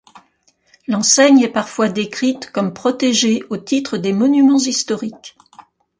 L'enseigne est parfois décrite comme protégée au titre des monuments historiques.